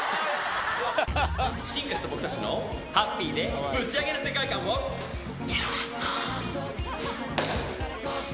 進化した僕たちのハッピーでブチアゲな世界観を見逃すなー。